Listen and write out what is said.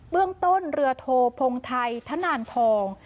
เรื่องต้นเรือโทพงไทยธนานทอง